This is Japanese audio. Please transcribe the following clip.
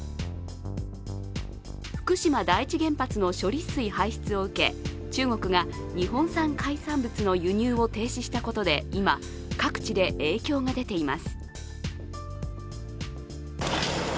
福島第一原発の処理水排出を受け、中国が日本産海産物の輸入を停止したことで今、各地で影響が出ています。